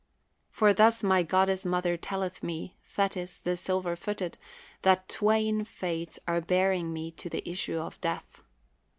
For thus my goddess mother telleth me, Thetis, the silver footed, that twain fates are bearing me to the issue of death.